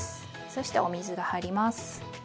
そしてお水が入ります。